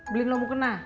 beli nomu kena